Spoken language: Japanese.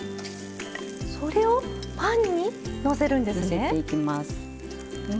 それをパンにのせるんですね？